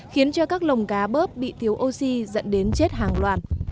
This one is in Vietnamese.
khiến cho các lồng cá bớp bị thiếu oxy dẫn đến chết hàng loạt